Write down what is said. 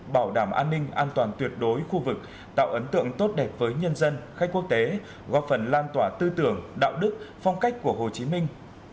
bảo đảm an ninh an toàn tuyệt đối khu vực tạo ấn tượng tốt đẹp với nhân dân khách quốc tế góp phần lan tỏa tư tưởng đạo đức phong cách của hồ chí minh